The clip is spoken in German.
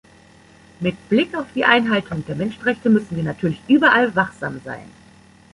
Mit Blick auf die Einhaltung der Menschenrechte müssen wir natürlich überall wachsam sein.